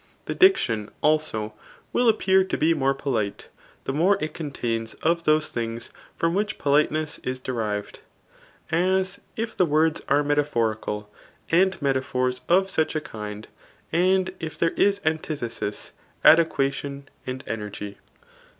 The diction, also, will appear to be more polite, the more it contains of those things from which pibliteness is derived j as, if the words are metaphorical, and metaphors of such a kind, and if there is antithesis,^ adojuation and energy.